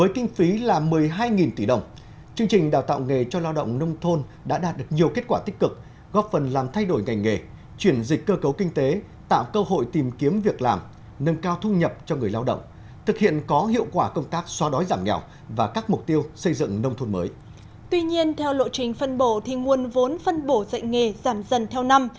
tuy nhiên theo lộ trình phân bổ thì nguồn vốn phân bổ dạy nghề giảm dần theo năm